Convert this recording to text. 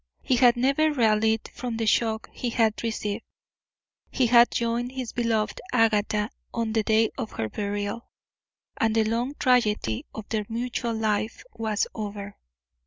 He had never rallied from the shock he had received. He had joined his beloved Agatha on the day of her burial, and the long tragedy of their mutual life was over.